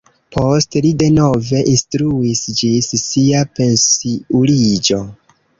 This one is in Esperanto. Poste li denove instruis ĝis sia pensiuliĝo.